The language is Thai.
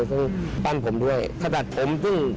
ก็ต้องรอติดตาม